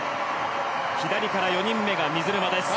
左から４人目が水沼です。